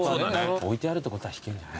置いてあるってことは弾けるんじゃない。